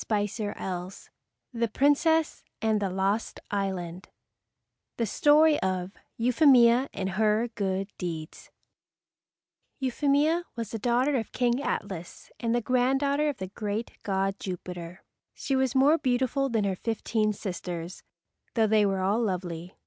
[Illustration: Headpiece] THE PRINCESS OF THE LOST ISLAND The Story of Euphemia and Her Good Deeds Euphemia was the daughter of King Atlas and the granddaughter of the great god Jupiter. She was more beautiful than her fifteen sisters, though they were all lovely.